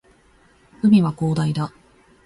海は広大だ